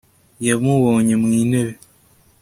yamubonye mu intebe